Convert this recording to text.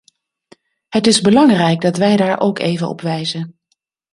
Het is belangrijk dat wij daar ook even op wijzen.